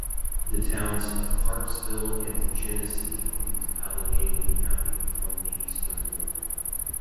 The towns of Clarksville and Genesee in Allegany County form the eastern boundary.